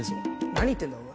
何言ってんだお前。